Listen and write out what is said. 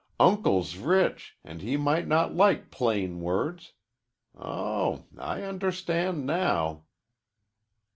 Uncle's rich, and he might not like plain words. Oh, I understand now."